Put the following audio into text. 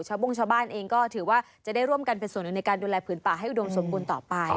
โบ้งชาวบ้านเองก็ถือว่าจะได้ร่วมกันเป็นส่วนหนึ่งในการดูแลผืนป่าให้อุดมสมบูรณ์ต่อไป